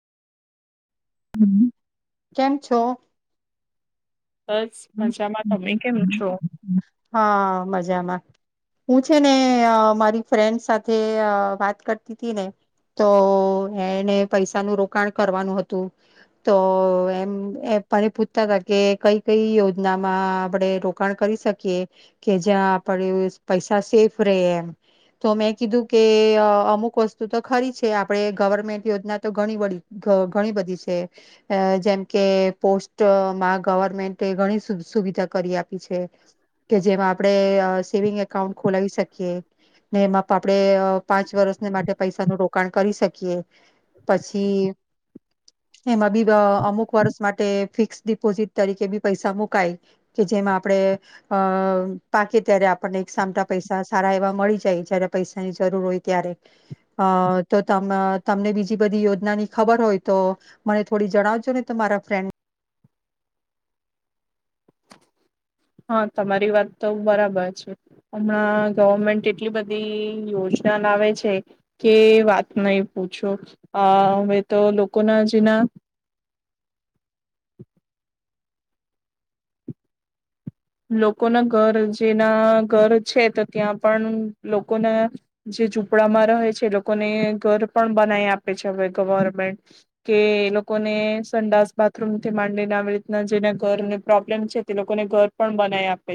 હમ કેમ છો બસ મજામાં તમે કેમ છો હા મજામાં હું છે ને મારી ફ્રેન્ડ સાથે વાત કરતી હતી ને તો એને પૈસાનું રોકાણ કરવાનું હતું તો એમ મને પૂછતા હતા કે કઈક કઈ યોજનામાં આપણેે રોકાણ કરી શકીએ કે જ્યાં આપણે પૈસા સેફ રયે એમ તો મેં કીધું કે અમુક વસ્તુ તો ખરી છે આપણે ગવર્મેન્ટ યોજના તો ઘણી અ ઘણી બધી છે જેમ કે પોસ્ટમાં ગવર્મેન્ટ તે ઘણી સુખ સુવિધા કરી આપી છે કે જેમાં આપણે સેવિંગ એકાઉન્ટ ખોલાવી શકીએ ને એમાં આપણે પાંચ વર્ષને માટે પૈસાનું રોકાણ કરી શકીએ. પછી એમાં બી અ અમુક વર્ષ માટે ફિક્સ ડિપોઝિટ તરીકે બી પૈસા મુકાય કે જેમાં આપણે અ પાકીએ ત્યારે આપણને એક સામટા પૈસા સારા એવા મળી જાય જયારે પૈસાની જરૂર હોય ત્યારે અ તો ત તમને બીજી બધી યોજનાની ખબર હોય તો મને થોડી જણાવજો ને તો મારા ફ્રેન્ડ હા તમારી વાત તો બરાબર છે હમણાં ગવર્મેન્ટ એટલી બધી યોજના લાવે છે કે વાત નહી પૂછો અહ હવે તો લોકોના જેના લોકોના ઘર જેના ઘર છે તો ત્યાં પણ લોકોના જે ઝૂંપડામાં રહે છે લોકોને ઘર પણ બનાઈ આપે છે હવે ગવર્મેન્ટ કે એ લોકોને સંડાસ બાથરૂમથી માંડીને આવી રીતના જેના ઘરને પ્રોબ્લેમ છે તે લોકોને ઘર પણ બનાવી આપે.